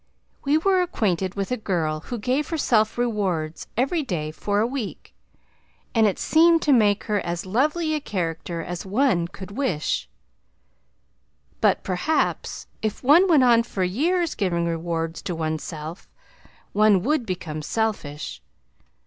We were acquainted with a girl who gave herself rewards every day for a week, and it seemed to make her as lovely a character as one could wish; but perhaps if one went on for years giving rewards to onesself one would become selfish.